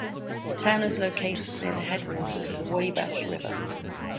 The town is located near the headwaters of the Wabash River.